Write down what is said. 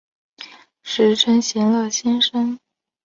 时称闲乐先生。